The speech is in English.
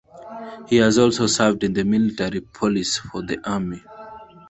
He has also served in the military police for the Army.